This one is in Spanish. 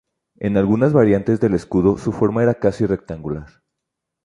En algunas variantes del escudo su forma era casi rectangular.